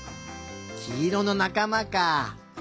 きいろのなかまか。